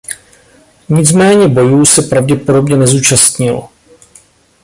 Nicméně bojů se pravděpodobně nezúčastnil.